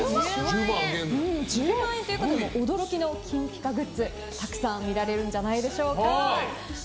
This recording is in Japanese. １０万円ということで驚きのきんぴかグッズがたくさん見られるんじゃないでしょうか。